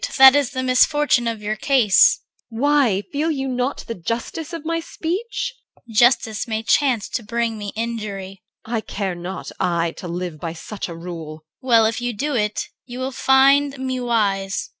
That is the misfortune of your case. EL. Why? Feel you not the justice of my speech? CHR. Justice may chance to bring me injury. EL. I care not, I, to live by such a rule. CHR. Well, if you do it, you will find me wise. EL.